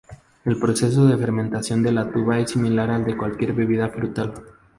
El proceso de fermentación de la tuba es similar al de cualquier bebida frutal.